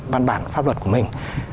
văn bản pháp luật của mình